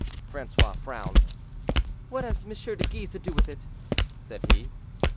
Francois frowned. "What has M. de Guise to do with it?" said he. "M.